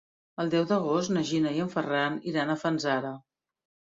El deu d'agost na Gina i en Ferran iran a Fanzara.